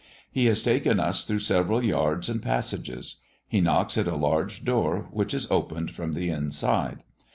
He has taken us through several yards and passages. He knocks at a large door, which is opened from the inside.